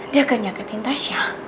dia akan nyakitin tasnya